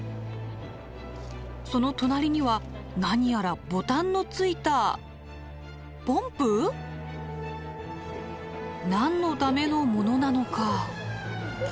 その隣には何やらボタンのついたポンプ？何のためのものなのか。